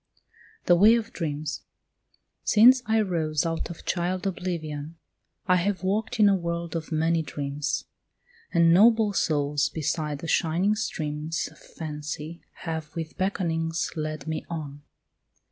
THE WAY OF DREAMS Since I rose out of child oblivion I have walked in a world of many dreams, And noble souls beside the shining streams Of fancy have with beckonings led me on.